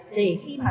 để khi mà